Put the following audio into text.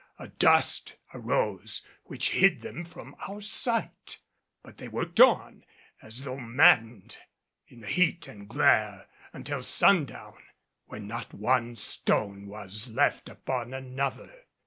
A dust arose which hid them from our sight, but they worked on, as though maddened, in the heat and glare until sundown, when not one stone was left upon another.